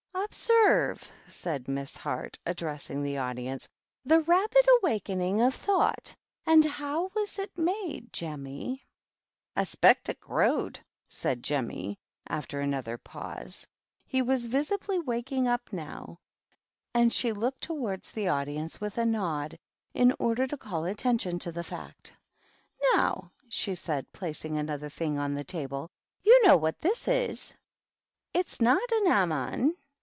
" Observe," said Miss Heart, addressing tl: audience, "the rapid awakening of though And how was it made, Jemmy ?"" I s'pect it growed !" said Jeramy, after anotht pause. He was visibly waking up now, and sh THE GREAT OCCASION. 249 looked towards the audience with a nod, in order to call attention to the fact. " Now," she said, placing another thing on the table, " you don't know what this is. It's not an ammon.